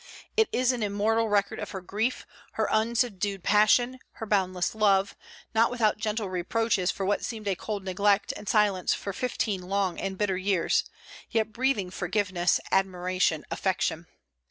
It is an immortal record of her grief, her unsubdued passion, her boundless love, not without gentle reproaches for what seemed a cold neglect and silence for fifteen long and bitter years, yet breathing forgiveness, admiration, affection.